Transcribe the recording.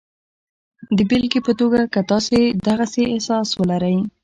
د بېلګې په توګه که تاسې د غسې احساس ولرئ